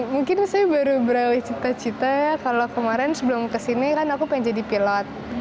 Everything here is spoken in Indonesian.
mungkin saya baru beralih cita cita kalau kemarin sebelum kesini kan aku pengen jadi pilot